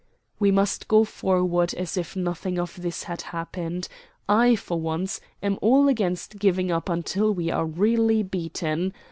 "We must go forward as if nothing of this had happened. I, for one, am all against giving up until we are really beaten.